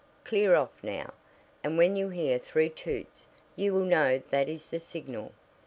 Clear off, now, and when you hear three toots you will know that is the signal.